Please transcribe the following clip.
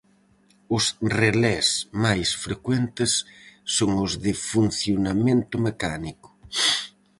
Os relés máis frecuentes son os de funcionamento mecánico.